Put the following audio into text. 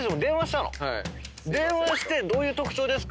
電話してどういう特徴ですか？